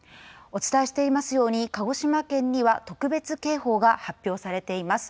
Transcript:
お伝えしていますように鹿児島県には特別警報が発表されています。